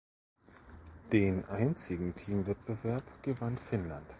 Den einzigen Teamwettbewerb gewann Finnland.